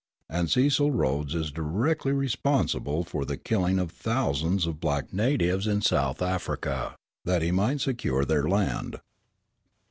'" And Cecil Rhodes is directly responsible for the killing of thousands of black natives in South Africa, that he might secure their land.